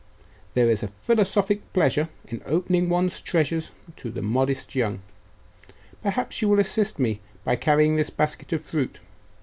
There is a philosophic pleasure in opening one's treasures to the modest young. Perhaps you will assist me by carrying this basket of fruit?